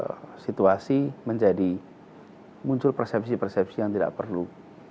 kalau situasi menjadi muncul persepsi persepsi yang tidak perlu